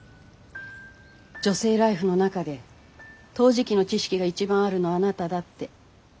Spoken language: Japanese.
「女性ＬＩＦＥ」の中で陶磁器の知識が一番あるのはあなただって。